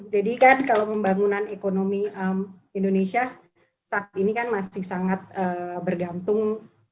jadi kan kalau pembangunan ekonomi indonesia saat ini kan masih sangat bergantung